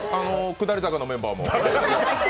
下り坂のメンバーも。